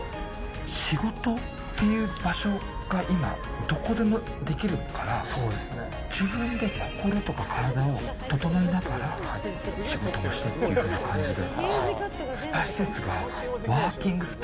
仕事っていう場所が今、どこでもできるから自分で心とか体を整えながら仕事もしているっていう感じで。